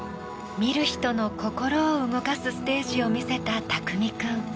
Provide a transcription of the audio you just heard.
見る人の心を動かすステージを見せたＴＡＫＵＭＩ君。